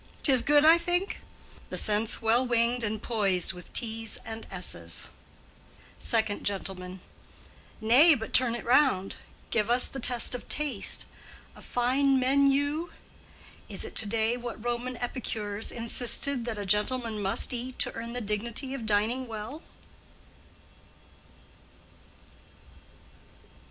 'Tis good, I think?—the sense well winged and poised With t's and s's. 2nd Gent. Nay, but turn it round; Give us the test of taste. A fine menu— Is it to day what Roman epicures Insisted that a gentleman must eat To earn the dignity of dining well?